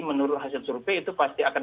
menurut hasil survei itu pasti akan